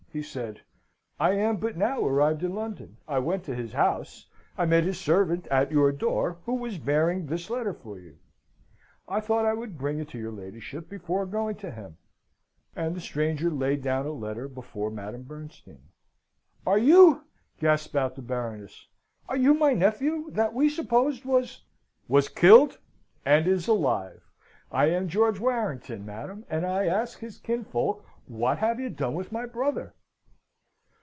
he said "I am but now arrived in London. I went to his house. I met his servant at your door, who was bearing this letter for you. I thought I would bring it to your ladyship before going to him," and the stranger laid down a letter before Madam Bernstein. "Are you" gasped out the Baroness "are you my nephew, that we supposed was " "Was killed and is alive! I am George Warrington, madam and I ask his kinsfolk what have you done with my brother?"